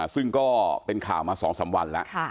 ซึ่งก็เป็นข่าวมาสองสามวันเอา